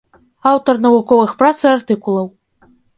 Аўтар навуковых прац і артыкулаў.